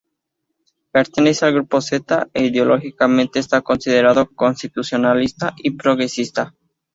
Pertenece al Grupo Zeta e ideológicamente está considerado constitucionalista y progresista.